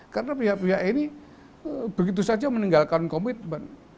karena pihak pihak ini begitu saja meninggalkan komitmen